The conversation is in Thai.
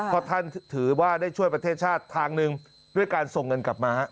เพราะท่านถือว่าได้ช่วยประเทศชาติทางหนึ่งด้วยการส่งเงินกลับมาฮะ